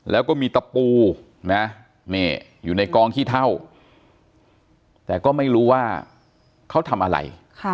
แล้วก็มีตะปูนะอยู่ในกองขี้เท่าแต่ก็ไม่รู้ว่าเขาทำอะไร